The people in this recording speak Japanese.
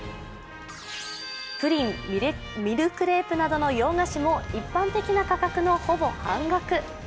プリン、ミルクレープなどの洋菓子も一般的な価格のほぼ半額。